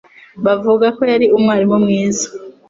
Bavuga ko yari umwarimu mwiza.